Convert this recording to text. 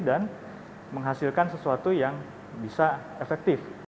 dan menghasilkan sesuatu yang bisa efektif